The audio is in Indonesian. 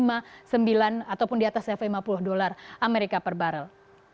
ataupun di atas level lima puluh dolar amerika per barrel